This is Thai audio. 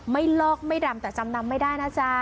ลอกไม่ดำแต่จำนำไม่ได้นะจ๊ะ